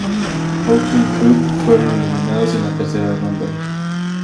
Open Cup fueron eliminados en la tercera ronda.